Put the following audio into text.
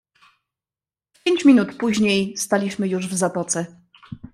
"W pięć minut później staliśmy już w zatoce."